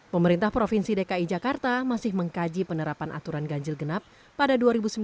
pemerintah provinsi dki jakarta masih mengkaji penerapan aturan ganjil genap pada dua ribu sembilan belas